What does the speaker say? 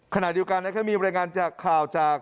ขณะเดียวกันนะครับมีบรรยายงานจากข่าวจาก